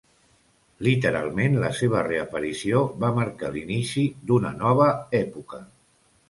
Literalment, la seva reaparició va marcar l'inici d'una nova època.